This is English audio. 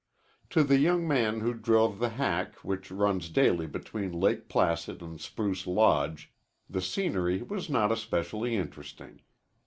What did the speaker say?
To the young man who drove the hack which runs daily between Lake Placid and Spruce Lodge the scenery was not especially interesting.